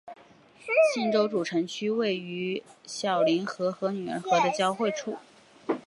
锦州主城区位于小凌河和女儿河的交汇处。